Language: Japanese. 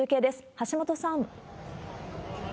橋本さん。